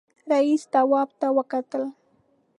رئيسې تواب ته وکتل.